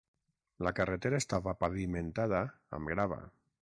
La carretera estava pavimentada amb grava.